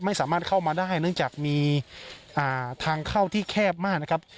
ไม่สามารถเข้ามาได้เนื่องจากมีทางเข้าที่แคบมากนะครับ